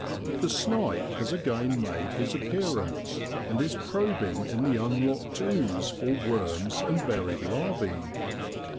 The snipe has again made his appearance, and is probing in the unlocked ooze for worms and buried larvae.